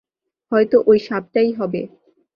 হয়তো ওই সাপটাই হবে।